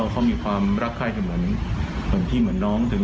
เกิดจากการลืมสุราด้วยส่วนนึง